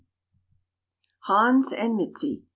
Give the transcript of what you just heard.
HANS AND MIZI.